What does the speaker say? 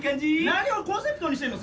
何をコンセプトにしてるの？